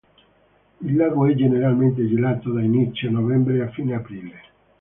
Il lago è generalmente gelato da inizio novembre a fine aprile.